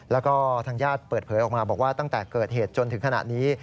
แล้วก็ทางญาติเปิดเผยออกมาบอกว่าตั้งแต่เกิดเหตุจนถึงขณะนี้